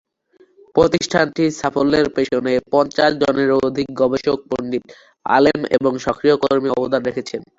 প্রতিষ্ঠানটির সাফল্যের পেছনে পঞ্চাশ জনেরও অধিক গবেষক পণ্ডিত, আলেম এবং সক্রিয় কর্মী অবদান রেখেছেন।